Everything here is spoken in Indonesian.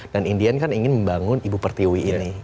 dan indian kan ingin membangun ibu pertiwi ini